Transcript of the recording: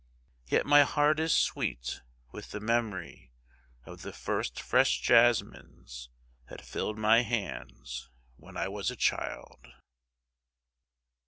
Yet my heart is sweet with the memory of the first fresh jasmines that filled my hands when I was a child.